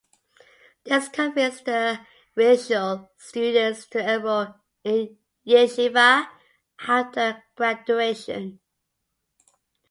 This convinced the "Realschule" students to enroll in yeshiva after graduation.